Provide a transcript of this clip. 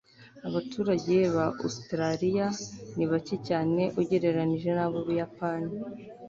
abaturage ba ositaraliya ni bake cyane ugereranije n'ubuyapani